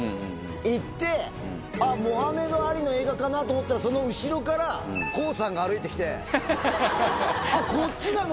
行って、あっ、モハメド・アリの映画かなと思ったら、その後ろから康さんが歩いてきて、あっ、こっちなの？